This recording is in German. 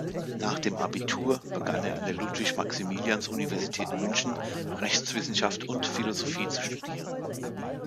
Nach dem Abitur begann er an der Ludwig-Maximilians-Universität München Rechtswissenschaft und Philosophie zu studieren.